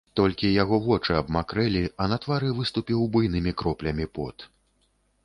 Толькі яго вочы абмакрэлі, а на твары выступіў буйнымі кроплямі пот.